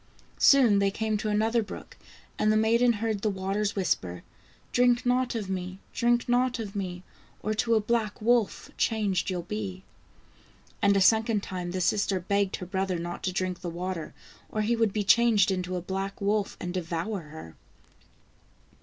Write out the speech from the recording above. Soon they came to another brook, and the maiden heard the waters whisper :" Drink not of me ! drink not of me ! Or to a black wolf changed you'll be." And a second time the sister begged her brother not to drink the water or he would be changed into a black wolf and devour her.